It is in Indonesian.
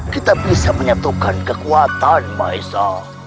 kita bisa menyatukan kekuatan maisa